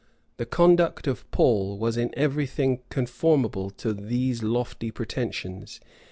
The conduct of Paul was in every thing conformable to these lofty pretensions.